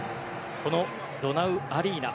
このドナウアリーナ